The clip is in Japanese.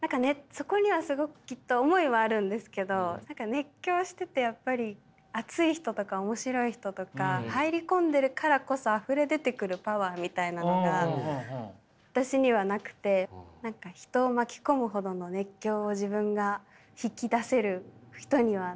そこにはすごくきっと思いはあるんですけど何か熱狂しててやっぱり熱い人とか面白い人とか入り込んでいるからこそあふれ出てくるパワーみたいなのが私にはなくて何か人を巻き込むほどの熱狂を自分が引き出せる人にはなれない。